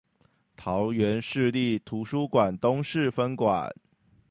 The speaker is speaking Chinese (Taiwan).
桃園市立圖書館東勢分館